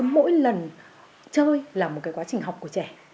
mỗi lần chơi là một cái quá trình học của trẻ